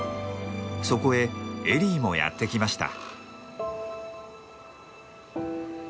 そこへエリーもやって来ました。